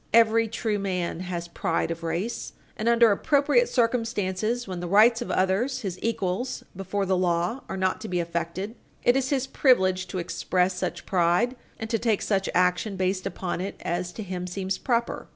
Every true man has pride of race, and, under appropriate circumstances, when the rights of others, his equals before the law, are not to be affected, it is his privilege to express such pride and to take such action based upon it as to him seems proper.